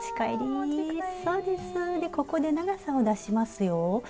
でここで長さを出しますよ。